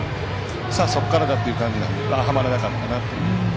さあ、そこからだという感じがはまらなかったなという。